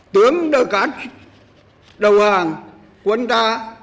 tướng đưa cát đầu hàng quân ta